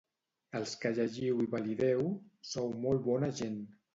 Els que llegiu i valideu, sou molt bona gent.